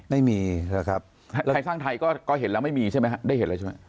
ได้เห็นแล้วใช่ไหม